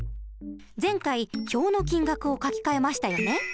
前回表の金額を書き換えましたよね。